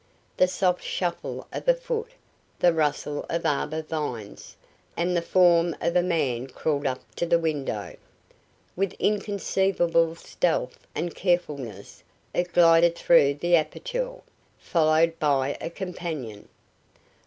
The soft shuffle of a foot, the rustle of arbor vines, and the form of a man crawled up to the window. With inconceivable stealth and carefulness it glided through the aperture, followed by a companion.